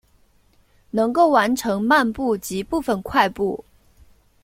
能够完成漫步及部份快步。